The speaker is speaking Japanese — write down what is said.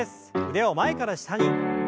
腕を前から下に。